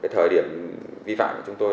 thời điểm vi phạm của chúng tôi